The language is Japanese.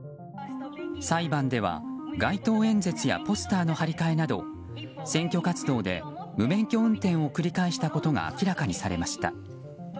裁判では街頭演説やポスターの貼り替えなど選挙活動で無免許運転を繰り返したことが明らかにされました。